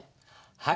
はい。